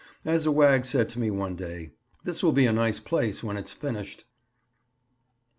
As a wag said to me one day, "This will be a nice place when it's finished."